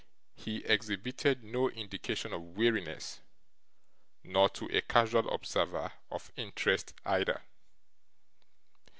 He exhibited no indication of weariness, nor, to a casual observer, of interest either.